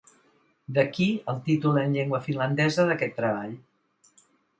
D'aquí, el títol en llengua finlandesa d'aquest treball.